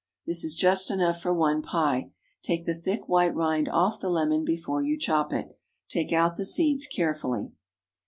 This is just enough for one pie. Take the thick white rind off the lemon before you chop it. Take out the seeds carefully.